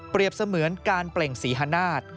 เปรียบเสมือนการเปล่งศรีฮนาศ